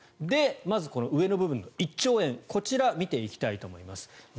まずこの上の部分の１兆円こちら見ていきたいと思います。